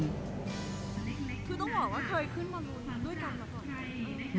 คือต้องบอกว่าเคยขึ้นบอลลูนด้วยกันหรือเปล่า